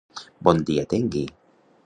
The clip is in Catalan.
Bon dia tengui!